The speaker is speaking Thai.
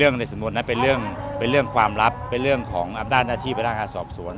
ในสมมตินั้นเป็นเรื่องความลับเป็นเรื่องของอำนาจหน้าที่พนักงานสอบสวน